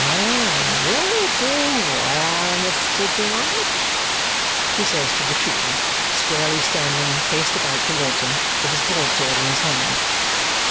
"And you're doing well, Mr. George?" he says to the trooper, squarely standing faced about towards him with his broadsword in his hand.